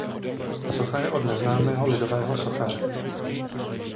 Socha je od neznámého lidového sochaře.